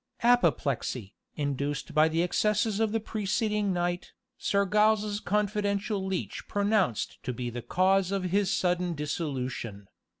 Apoplexy, induced by the excesses of the preceding night, Sir Giles's confidential leech pronounced to be the cause of his sudden dissolution.